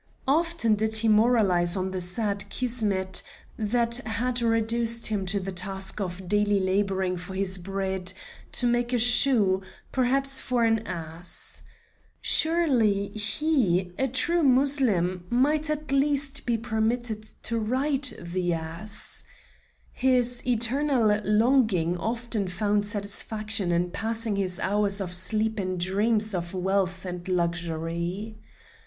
Often did he moralize on the sad Kismet that had reduced him to the task of daily laboring for his bread to make a shoe, perhaps for an ass. Surely he, a true Mussulman, might at least be permitted to ride the ass. His eternal longing often found satisfaction in passing his hours of sleep in dreams of wealth and luxury.